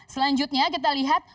selanjutnya kita lihat